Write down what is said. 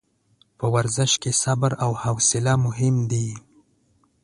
په ورزش کې صبر او حوصله مهم دي.